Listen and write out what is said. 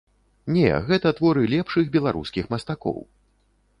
Не, гэта творы лепшых беларускіх мастакоў.